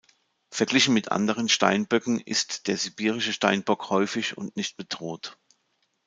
Verglichen mit anderen Steinböcken ist der Sibirische Steinbock häufig und nicht bedroht.